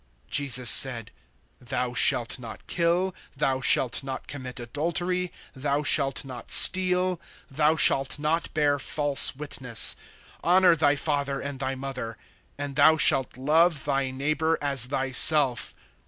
Jesus said: Thou shalt not kill; Thou shalt not commit adultery; Thou shalt not steal; Thou shalt not bear false witness; (19)Honor thy father and thy mother; and, Thou shalt love thy neighbor as thyself.